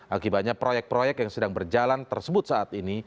akibatnya proyek proyek yang sedang berjalan tersebut saat ini